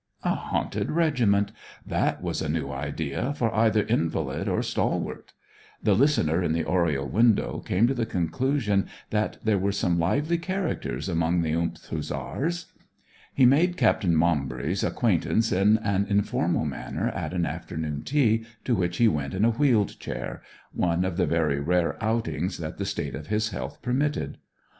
A haunted regiment: that was a new idea for either invalid or stalwart. The listener in the oriel came to the conclusion that there were some lively characters among the th Hussars. He made Captain Maumbry's acquaintance in an informal manner at an afternoon tea to which he went in a wheeled chair one of the very rare outings that the state of his health permitted.